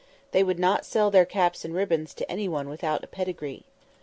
They would not sell their caps and ribbons to anyone without a pedigree.